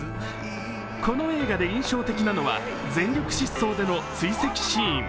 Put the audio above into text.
この映画で印象的なのは、全力疾走での追跡シーン。